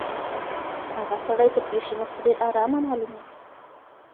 هغه سړی تر پېښي مخکي ډېر آرامه معلومېدی.